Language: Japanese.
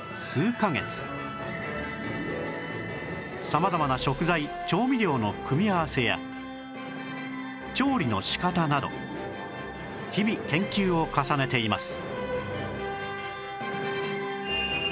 様々な食材調味料の組み合わせや調理の仕方など日々研究を重ねています